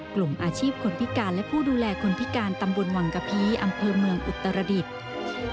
กลุ่มอาชีพคนพิการและผู้ดูแลคนพิการตำบลวังกะพีอำเภอเมืองอุตรดิษฐ์